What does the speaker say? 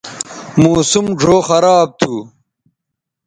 موسم ڙھؤ خراب تھو